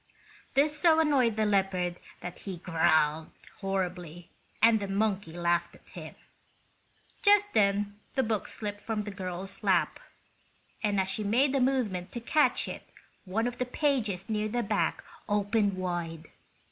This so annoyed the leopard that he growled horribly, and the monkey laughed at him. Just then the book slipped from the girl's lap, and as she made a movement to catch it one of the pages near the back opened wide.